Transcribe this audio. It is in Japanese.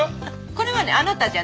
これはねあなたじゃなくて。